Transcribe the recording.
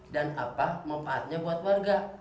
dan apa mempaatnya buat warga